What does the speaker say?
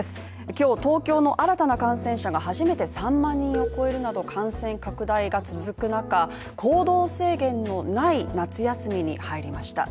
今日、東京の新たな感染者が初めて３万人を超えるなど感染拡大が続く中、行動制限のない夏休みに入りました。